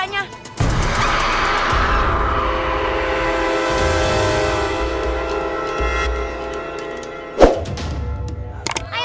pokoknya mainkan iya